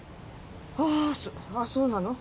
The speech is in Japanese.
ああそうなの。